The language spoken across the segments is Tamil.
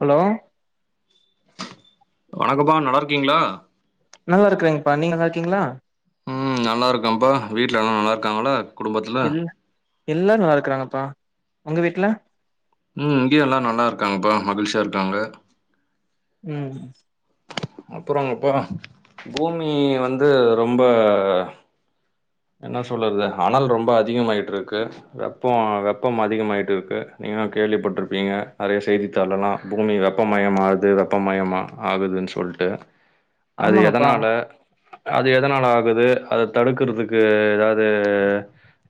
ஹலோ வணக்கப்பா நல்லா இருக்கீங்களா நல்லா இருக்கறேங்கப்பா நீங்க நல்லா இருக்கீங்களா ம் நல்லா இருக்கம்ப்பா வீட்ல எல்லா நல்லா‌ இருக்காங்களா குடும்பத்துல எல்ல எல்லாரு நல்லா இருக்கறாங்கப்பா உங்க வீட்ல ம் இங்கேயு எல்லா நல்லா இருக்காங்கப்பா மகிழ்ச்சியா இருக்காங்க ம் அப்புறோங்கப்பா பூமி வந்து ரொம்ப என்ன சொல்றது அனல் ரொம்ப அதிகமாயிட்டுருக்கு வெப்போ வெப்பம் அதிகமாகிட்டு இருக்கு நீங்களு கேள்விப்பட்டிருப்பீங்க நறைய செய்தித்தாளலா பூமி வெப்பமயமாகுது வெப்பமயமாகுதுன்னு சொல்ட்டு அது ஆமாங்கப்பா எதனால அது எதனால ஆகுது அத தடுக்கறதுக் க்கு ஏதாவது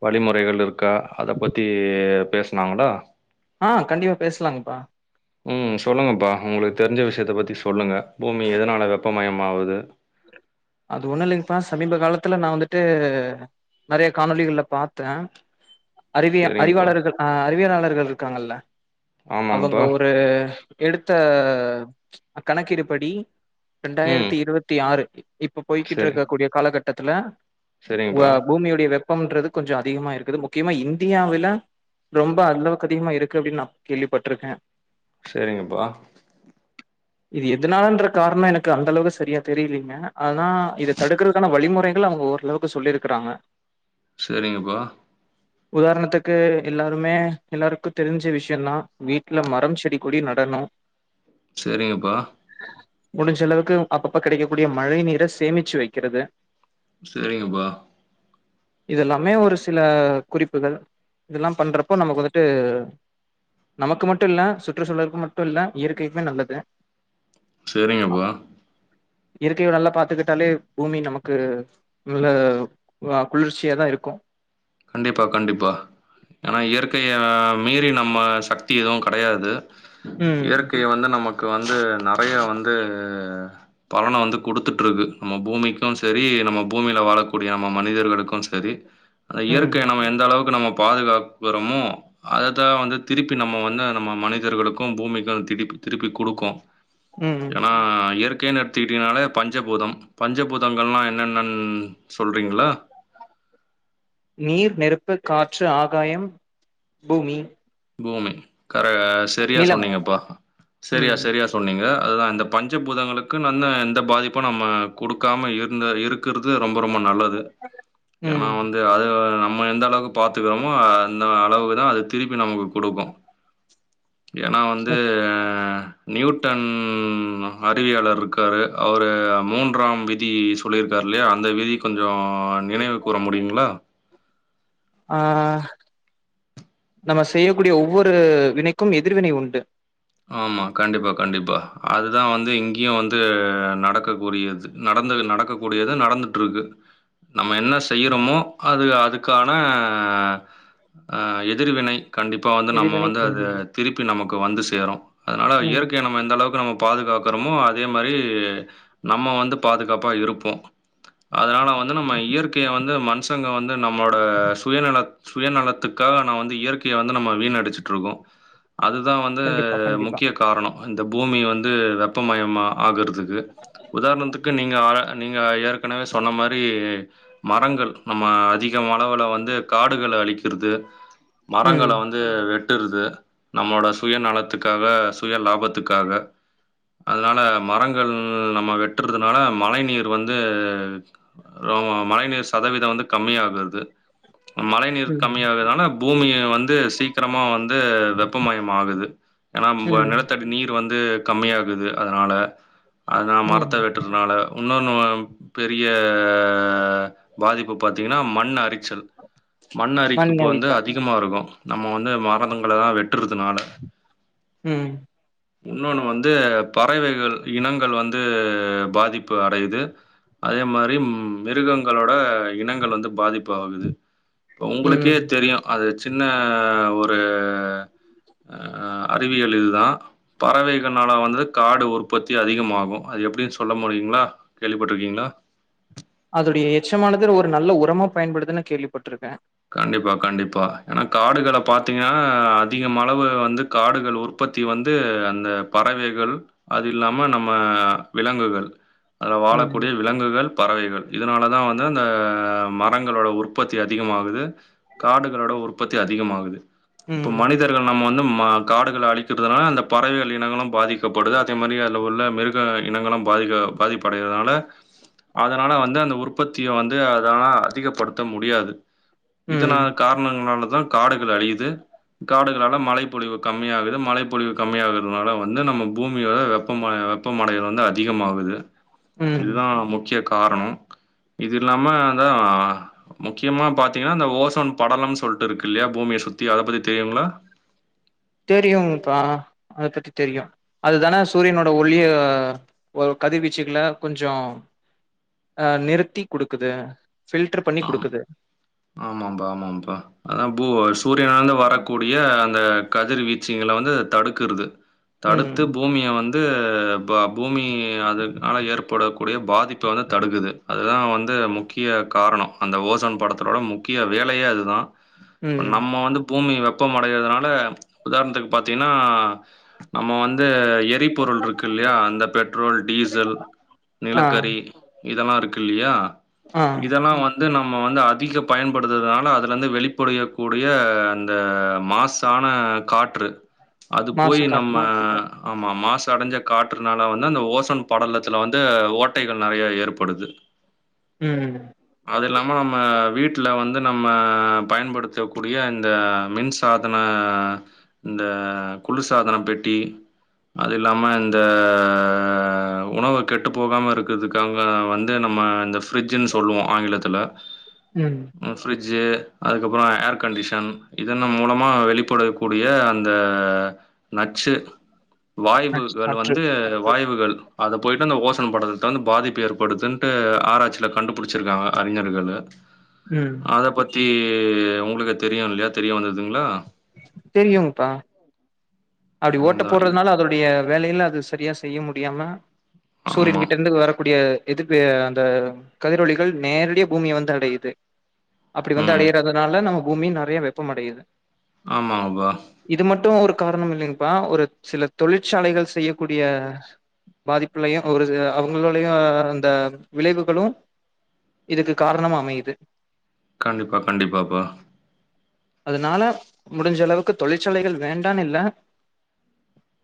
வழிமுறைகள் இருக்கா அத பற்றி பேசனாங்களா ஆ கண்டிப்பா பேசலாங்கப்பா ம் சொல்லுங்கப்பா உங்களுக்கு தெரிஞ்ச விஷயத்த பத்தி சொல்லுங்க பூமி எதனால வெப்பமயமாவுது அது ஒண்ணுல்லைங்கப்பா சமீப காலத்துல நா வந்துட்டு நறைய காணொலிகள்ல பாத்த அறிவியா சரிங்கப்பா. அறிவாளர்கள் அ அறிவியலாளர்கள் இருக்காங்கல்ல அவங்க ஆமாங்கப்பா. ஒரு எடுத்த கணக்கிடுபடி ம். ரெண்டாயிரத்தி இருபத்தி ஆறு இப்ப போய்கிட்டு சரி. இருக்க கூடிய காலகட்டத்துல சரிங்கப்பா. வ பூமியுடய வெப் பம்ன்றது கொஞ்சோ அதிகமாருக்குது முக்கியமா இந்தியாவுல ரொம்ப அளவுக்கு அதிகமா இருக்கு அப்டின்னு நா கேள்விப்பட்டிருக்கே செரிங்கப்பா இது எதுனாலன்ற காரணோ எனக்கு அந்த அளவுக்கு சரியா தெரியலீங்க ஆனா இத தடுக்கறதுக்கான வழிமுறைகள் அவுங்க ஓரளவுக்கு சொல்லியிருக்கறாங்க சேரிங்கப்பா உதாரணத்துக்கு எல்லாருமே எல்லாருக்கு தெரிஞ்ச விஷ்யோதா வீட்ல மரம் செடி கொடி நடனு செரிங்கப்பா முடிஞ்சலளவுக்கு அப்பப்ப கிடக்கக்கூடிய மழை நீர சேமிச்சு வெக்கிறது செரிங்கப்பா இதெல்லாமே ஒரு சில குறிப்புகள் இதெல்லா பண்றப்போ நமக்கு வந்துட்டு நமக்கு மட்டும் இல்ல சுற்றுச்சூழலுக்கு மட்டும் இல்ல இயற்கைக்குமே நல்லது செரிங்கப்பா இயற்கயோ நல்லா பாத்துக்கிட்டாலே பூமி நமக்கு நல்ல ஆ குளிர்ச்சியா தா இருக்கு கண்டிப்பா கண்டிப்பா ஏன்னா இயற்கய மீறி நம்ம சக்தி எதுவு கடயாது ம், இயற்கையை வந்து நமக்கு வந்து நறைய வந்து பலன வந்து குடுத்துட்டுருக்கு நம்ம பூமிக்கும் செரி நம்ம பூமியில வாழக்கூடிய நம்ம மனிதர்களுக்கு செரி அந்த ம், இயற்கையை நம்ம எந்த அளவுக்கு நம்ம பாதுகாக்கிறோமோ அததா வந்து திருப்பி நம்ம வந்து நம்ம மனிதர்களுக்கு பூமிக்கு அது திருப்பி திருப்பி குடுக்கு ம். ஏன்னா இயற்கையேன் எடுத் திட்டீங்கனாலே பஞ்சபூதம் பஞ்சபூதங்கள்லா என்னென்னன்னு சொல்றீங்களா நீர் நெருப்பு காற்று ஆகாயம் பூமி பூமி கர செரியா நிலம் சொன்னீங்கப்பா செரியா ம் செரியா சொன்னீங்க அதுதா இந்த பஞ்சபூதங்களுக்கு நல்ல எந்த பாதிப்பு நம்ம குடுக்காம இருந்த இருக் குறது ரொம்ப ரொம்ப நல்லது ஏன்னா ம் வந்து அது நம்ம எந்த அளவுக்கு பாத்துக்கிறோமோ அந்த அளவுக்குதா அது திருப் பி நமக்கு குடுக்கு ஏன்னா ச வந்து நியூட்டன் அறிவியாளர் இருக்காரு அவரு மூன்றாம் விதி சொல்லியிருக்காரு இல்லையா அந்த விதி கொஞ்சோ நினைவு கூற முடியுங்களா ஆ நம்ம செய்யக்கூடிய ஒவ்வொரு வினைக்கும் எதிர்வினை உண்டு ஆமா கண்டிப்பா கண்டிப்பா அதுதா வந்து இங்கயு வந்து நடக்கக்கூடியது நடந்தது நடக்கக் கூடியது நடந்துட்டு இருக்கு நம்ம என்ன செய்யிறோமோ அது அதுக்கான ஆ எதிர்வினை கண்டிப்பா வந்து நம்ம எதிர்வினை வந்து ம் அத திருப்பி நமக்கு வந்து சேரு அதனால ம் இயற்கைய நம்ம எந்த அளவுக்கு நம்ம பாதுகாக்குறமோ அதே மாரி நம்ம வந்து பாதுகாப்பா இருப்போ அதனால வந்து நம்ம இயற்கைய வந்து மனுஷங்க வந்து நம்மளோட சுயநல சுயநலத்துக்காக நா வந்து இயற்கைய வந்து நம்ம வீண் அடிச்சிட்டு இருக்கோ அதுதா வந்து கண்டிப்பா கண்டிப்பா காரண இந்த பூமி வந்து வெப்பமயம் ஆகுறதுக்கு உதாரணத்துக்கு நீங்க ஆ நீங்க ஏற்கனவே சொன்ன மாரி மரங்கள் நம்ம அதிகம் அளவுல வந்து காடுகள அழிக்கிறது ம் மரங்கள வந்து வெட்டுறது நம்மளோ சுயநலத்துக்காக சுய லாபத்துக்காக அதனால மரங்கள் நம்ம வெட்டுறதுனால மழை நீர் வந்து மழை நீர் சதவீத வந்து கம்மி ஆகுறது மழை நீர் ம் கம்மி ஆகுறதுனால பூமிய வந்து சீக்கிரமா வந்து வெப்பமயம் ஆகுது ஏன்னா ப ம் நெலத் தடி நீர் வந்து கம்மி ஆகுது அதனால அதா ம் மரத்த வெட் றதுனால இன்னொன்னு வ பெரிய பாதிப்பு பாத்தீங்கன்னா மண் அரிச்சல் மண் அரிப்புப்பு வந்து அதிகமா இருக்கு நம்ம வந்து மரங்களகளா வெட்டுறதுனால ம் இன்னொன்னு வந்து பறவைகள் இனங்கள் வந்து பாதிப்பு அடையுது அதே மாரி மிருகங்களோட இனங்கள் வந்து பாதிப் பாகுது இப்ப ஒங்களுக்கே ம் தெரியு அது சின்ன ஒரு அறிவியல் இது தா பறவைகள்னால வந்து காடு உற்பத்தி அதிகமாகு அது எப்டின்னு சொல்ல முடியுங்களா கேள்விப்பட்டிருக்கீங்களா அதுடைய எச்சமானது ஒரு நல்ல உரமா பயன்படுதுன்னு கேள்விப்பட்டிருக்கே கண்டிப்பா கண்டிப்பா ஏன்னா காடுகள பாத்தீங்கன்னா அதிகம் அளவு வந்து காடுகள் உற் பத்தி வந்து அந்த பறவைகள் அது இல்லாம நம்ம விலங்குகள் அது ம் வாழக்கூடிய விலங்குகள் பறவைகள் இதனால தா வந்து அந்த மரங்களோட உற்பத்தி அதிகமாகு து காடுகளோட உற்பத்தி அதிகமாகுது இப்ப ம் மனிதர் நம்ம வந்து ம காடுகள அழிக்கிறதுனால் அந்த பறவைகள் இனங்களு பாதிக்கப்படுது அதே மாரி அதுல உள்ள மிரு க இனங்களு பாதிக்க பாதிப்படையிரதுனால அதனால வந்து அந்த உற்பத்திய வந்து அதனால அதிகப்படுத்த முடியாது இதனா ம் காரணங்களாலதா காடுகள் அழியுது காடுகளால மழை பொழிவு கம்மியாகுது மழை பொழிவு கம்மியாகுறதுனால வந்து நம்ம பூமியோட வெப்பமய ப்ப மடைகள் வந்து அதிகமாகுது ம் இதுதா முக்கிய காரணோ இது இல்லாமா அதா முக்கியமா பா த்திகன ஓசோன் படலம்னு சொல்லிட்டு இருக்கு இல்லயா பூமிய சுத்தி அத பத்தி தெரியுங்களா தெரியும்ப்பா அது பத்தி தெரியு அதுதான சூரியனோட ஒளிய ஒரு கதிவீச்சுகள கொஞ்சோ அ நிறுத்தி குடுக்குது ஃபில்ட்ர் பண்ணி ஆம் குடுக்குது ஆமாம்பா ஆமாம்பா அதா பூ சூரியனந்து வரக்கூடிய அந்த கதிர்வீச்சுங்கள வந்து அது தடுக்குறது ம் தடுத்து பூமிய வந் ந்து ப பூமி அதுனால ஏற்படக்கூடிய பாதிப்ப வந்து தடுக்குது அதுதா வந்து முக்கிய காரணோ அந்த ஓசோன் பட த்தோட முக்கிய வேலயே அதுதா இப்ப ம் நம்ம வந்து பூமி வெப்பம் அடயிறதுனால உதாரணத்துக்கு பாத்தீங்ன்னா நம்ம வந்து எரிபொருள் இருக்கு இல்லயா அந்த பெட்ரோல் டீசல் ஆ நிலக்கரி இதெல்லா இருக்கு இல்லியா ஆ இதெல்லா வந்து நம்ம வந்து அ திக பயன்படுத்துறதுனால அதுலந்து வெளிப்படயக்கூடிய அந்த மாசான காட் ற்று அது போய் மாசு காற்று நம்ம ஆமா மாசு அடஞ்ச காட்டுறுனால வந்து அந்த ஓசோன் படலத்துல வந்து ஓட்டைகள் நிறய ஏற்படுது ம் அது இல்லாம நம்ம வீட்டுல வந்து நம்ம பயன்படுத்தக்கூடிய இந்த மின்சாதன இந்த குளுர் சாதன பெட்டி அதில்லாம இந்த உணவு கெட்டு போகாம இருக்குதுக்கு ங்க வந்து நம்ம இந்த ஃப்ரிஜன்னு சொல்லுவோ ஆங்கிலத்துல ம் ஃப்ரிட்ஜு அதுக்கப்புறோ ஏர் கண்டிஷன் இதென்ன மூலமா வெளிப்படு கூடிய அந்த நச்சு நச்சு வாய்வுகள் காற்று வந்து வாய்வுகள் அத போய்ட்டு அந்த ஓசோன் படத்த வந்து பாதிப்பு ஏற்படுத்துன்ட்டு ஆரச்சியில்ல கண்டுபுடிச்சிருக்காங்க அறிஞர்களு ம் அத பத்தி உங்களுக்கு தெரியு இல்லயா தெரிய வந்துதுங்களா தெரியுங்ப்பா அப்டி ஓட்ட அதா இது போடுறதுனால அதோடய வேலயில அது சரியா செய்ய முடியாம சூரியன் ஆமா கிட்ட இருந்து வரக்கூடிய எதுப்பு அந்த கதிரொலிகள் நேரடிய பூமிய வந்து அடயுது அப்டி வந்து ம் அடயறதுனால நம்ம பூமி நிறய வெப்பம் அடயுது ஆமாங்ப்பா இது மட்டு ஒரு காரனம் இல்லேங்கப்பா ஒரு சில தொழிற்சாலைகள் செய்யக்கூடிய பாதிப்புலையு ஒரு அவங்களோடய அந்த விளைவுகளு இதுக்கு காரணமா அமயுது கண்டிப்பா கண்டிப்பாப்பா அதனால முடிஞ்ச அளவுக்கு தொழிற்சாலைகள் வேண்டான்னு இல்ல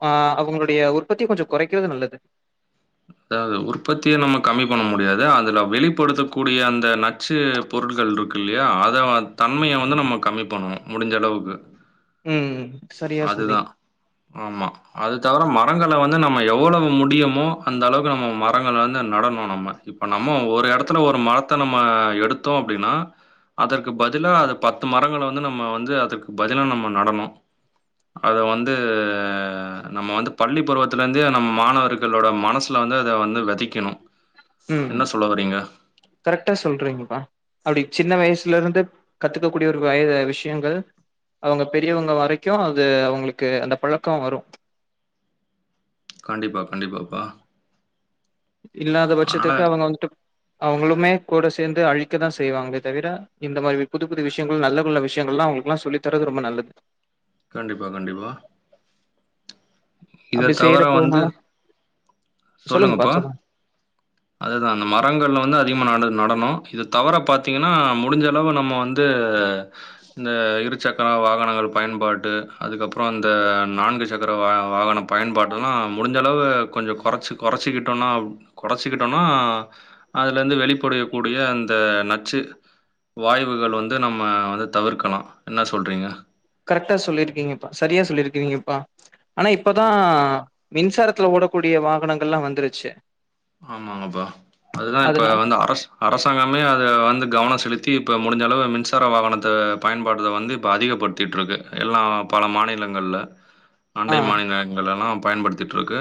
ஆ அவங்களுடய உற்பத்தி கொஞ்சோ குறக்கிறது நல்லது அதாவ்து உற்பத்திய நம்ம கம்மி பண்ண முடியாது அதுல வெளிப்படுத்தக்கூடிய அந்த ந ச்சு பொருள்கள் இருக்கு இல்லயா அத தன்மைய வந்து நம்ம கம்மி பண்ணு முடிஞ்ச அளவுக்கு ம் சரியா அதுதா சொன்னிங் ஆமா அது தவுர மரங்கள வந்து நம்ம எவ்ளோவு முடியுமோ அந்த அளவுக்கு நம்ம மரங்க வந்து நடணு நம்ம இப்ப நம்ம ஒரு எடத்துல ஒரு மரத்த நம்ம எடுத்தோ அப்டின்னா அதற்கு பதிலா அது பத்து மரங்கள வந்து நம்ம வந்து அதற்கு பதிலா நம்ம நடனு அத வந்து நம்ம வந்து பள்ளி பருவத்துல இருந்து நம்ம மாணவர்களோட மனசு அதுல வந்து அத வந்து வெதக்கிணு உம் கரெக்டா சொல்றீங்கப்பா அப்டி சின்ன வயசுல இருந்து கத்துக்க கூடிய ஒரு வயது விஷ்யங்கள் அவுங்க பெரியவங்க வரைக்கு அது அவுங்களுக்கு அந்த பழக்க வரு கண்டிப்பா கண்டிப்பாப்பா இல்லாத அதனால பட்சத்துக்கு அவுங்க வந்துட்டு அவுங்குளுமே கூட சேந்து அழிக்க தா செய்வாங்களே தவிர இந்த மாரி புது புது விஷயங்கள் நல்ல கொள்ள விஷயங்கள்லா அவுங்களுக்குல்லா சொல்லி தர்றது ரொம்ப நல்லது கண்டிப்பா கண்டிப்பா இத அப்டி தவர வந்து செய்யறப்போனால சொல்லுங்கப்பா அதுதா அந்த மரங்கள் வந்து அதிகமா நட நடணு இது தவிர பாத்தீங்கின்னா முடுஞ்சளவு நம்ம வந்து இந்ந இருச் சக்கர வாகனங்கள் பயன்பாட்டு அதுக்கப்றோ அந்த நான்கு சக்கர வாக வாகனம் பயன்பாட்டெல்லா முடிஞ்சளவு கொஞ்சோ கொறச்சு கொறைச்சுக்கிட்டோனா கொறைச்சுக்கிட்டோம்னா அதுல இருந்து வெளிப்படையக்கூடிய அந்த நச்சு வாய்வுகள் வந்து நம்ம வந்து தவுர்க்கணூ என்ன சொல்றீங்க கரெக்டா சொல்லிருக்கீங்கப்பா சரியா சொல்லிருக்கிறீங்கப்பா ஆனா இப்பதா ஆமா. மின்சாரத்துல ஓடக்கூடிய வாகனங்கள்லா வந்துருச்சு ஆமாங்ப்பா அதுதா இப்ப அதுனா வந்து அரசு அரசாங்கமே அத வந்து கவனோ செலுத்தி இப்போ முடுஞ்சளவு மின்சார வாகனத்த பயன்பாட்டத வந்து இப்போ அதிகப்படுத் திட்றது எல்லா பல மாநிலங்கள்ல ஆ அண்டை மாநிலங்கள எல்லா பயன்படுத்திட்டு இருக்கு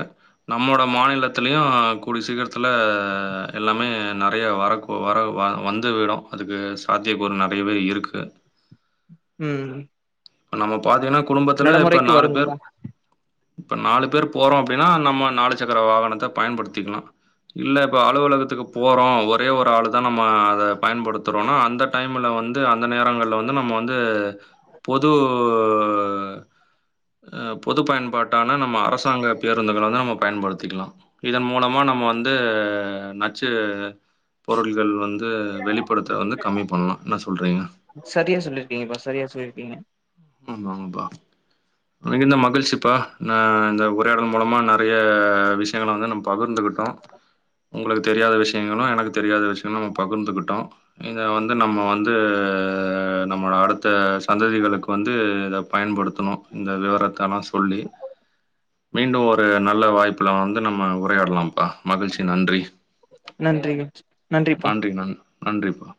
நம்மோட மாநிலத்திலியு கூடிய சீக்கிரத்தில எல்லாமே நெறையா வரக்கு வர வ வந்து விடு அதுக்கு சாத்திய கூறு ஒரு நெறையவே இருக்கு உம் நம்ம பாத்தீங்னா குடும்பத்துல இப்ப நாலு பேர் வரும்ப்பா இப்ப நாலு பேர் போறோ அப்டினா நம்ம நாலு சக்கர வாகனத்த பயன்படுத்திக்கனு இல்ல இப்ப அலுவலகத்துக்கு போறோ ஒரே ஒரு ஆளு தா நம்ம அத பயன்படுத்துறோனா அந்த டைம்ல வந்து அந்த நேரங்கள்ல வந்து நம்ம வந்து பொது அ பொது பயன்பாட்டான நம்ம அரசாங்க பேருந்துகள வந்து நம்ம பயன்படுத்திக்லா இதன் மூலமா நம்ம வந்து நச்சு பொருள்கள் வந்து வெளிப்படத்த வந்து கம்மி பண்ணூ என்ன சொல்றீங்க சரியா சொல்லிருக்கீங்கப்பா சரியா சொல்லிருக்கீங்க ஆமாங்ப்பா மிகுந்த மகிழ்ச்சிப்பா நா இந்த உரையாடல் மூலமா நெறைய விஷயங்கள வந்து நம்ம பகிர்ந்துக்கிட் ட்டோ உங்களுக்கு தெரியாத விஷயங்களு எனக்கு தெரியாத விஷயங்களு நம்ம பகிர்ந்துக்கிட்டோ இந்தது வந்து நம்ம வந்து நம்ம அடுத்த சந்ததிகளுக்கு வந்து இத பயன்படுத்தணு இந்த விவரத்தலா சொல்லி மீண்டு ஒரு நல்ல வாய்ப்புல வந்து நம்ம உரையாடலா பா மகிழ்ச்சி நன்றி நன்றிங்க நன்றிப்பா நன்றி ந நன்றிப்பா